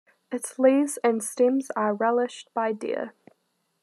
Its leaves and stems are relished by deer.